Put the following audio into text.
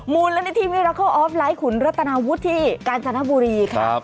มูลและนิทิมีรักเข้าออฟไลท์ขุนรัตนาวุฒิที่กาญจนบุรีค่ะครับ